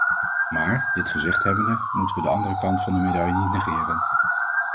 Maar, dit gezegd hebbende, moeten we de andere kant van de medaille niet negeren.